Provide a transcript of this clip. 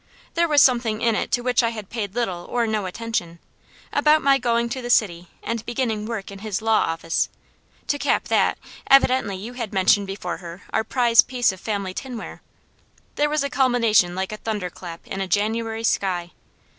There was something in it to which I had paid little or no attention, about my going to the city and beginning work in his law office; to cap that, evidently you had mentioned before her our prize piece of family tinware. There was a culmination like a thunder clap in a January sky.